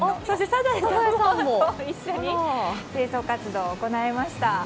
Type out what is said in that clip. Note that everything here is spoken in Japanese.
サザエさんも一緒に清掃活動を行いました。